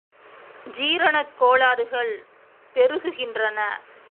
ஜீரணக் கோளாறுகள் பெருகுகின்றன.